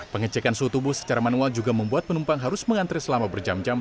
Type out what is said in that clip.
pengecekan suhu tubuh secara manual juga membuat penumpang harus mengantre selama berjam jam